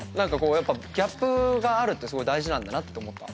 やっぱギャップがあるって大事なんだなって思った。